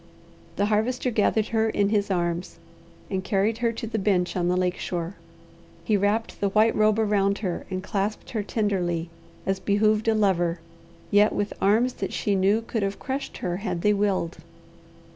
The Harvester gathered her in his arms and carried her to the bench on the lake shore. He wrapped the white robe around her and clasped her tenderly as behooved a lover, yet with arms that she knew could have crushed her had they willed.